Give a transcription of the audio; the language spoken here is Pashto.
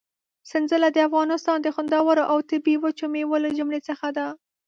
سنځله د افغانستان د خوندورو او طبي وچو مېوو له جملې څخه ده.